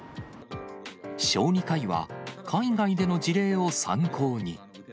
小児科医は、海外での事例を参考に。